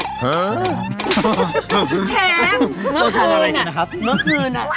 เชฟเมื่อคืนน่ะเมื่อคืนน่ะ